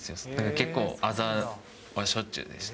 結構、あざはしょっちゅうでした。